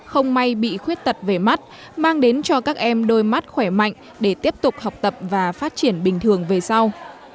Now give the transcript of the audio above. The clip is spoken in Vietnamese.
không may bị khuyết tật về mắt mang đến cho các em đôi mắt khỏe mạnh để tiếp tục học tập và phát triển bình thường về sau